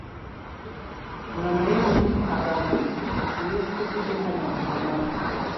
Nga naye muli agamba nti, “Eyeesitukidde tanywa matabangufu”.